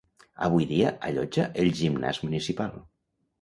Avui dia allotja el gimnàs municipal.